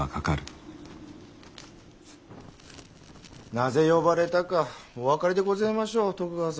なぜ呼ばれたかお分かりでごぜましょう徳川様。